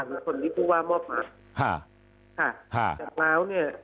เหมือนคนที่ผู้ว่ามอบมาฮะค่ะฮะจากแล้วเนี่ย